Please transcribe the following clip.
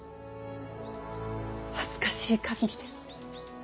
恥ずかしい限りです。